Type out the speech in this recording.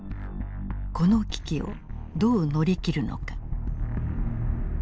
この危機をどう乗り切るのか。